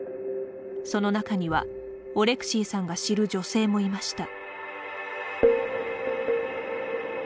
その中には、オレクシーさんが知る女性もいました。